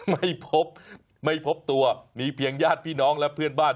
ไม่พบไม่พบตัวมีเพียงญาติพี่น้องและเพื่อนบ้าน